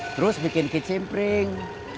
terus bikin kicimpring